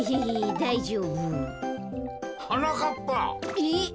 えっ？